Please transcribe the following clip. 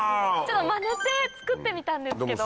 マネて作ってみたんですけど。